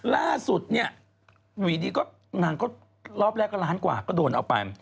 ล่าสุดเนี่ยอยู่ดีก็นางก็รอบแรกก็ล้านกว่าก็โดนเอาไป